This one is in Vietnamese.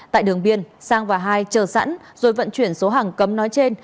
tại đường biên sang và hai chờ sẵn rồi vận chuyển số hàng cấm nói trên